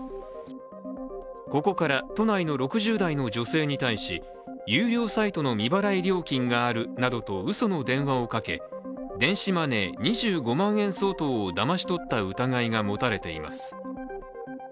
ここから都内の６０代の女性に対し有料サイトの未払い料金があるなどとうその電話をかけ電子マネー２５万円相当をだまし取った疑いが持たれています。